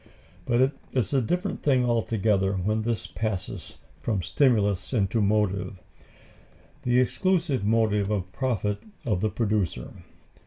But it is a different thing altogether when this passes from stimulus into motive the exclusive motive of profit to the producer.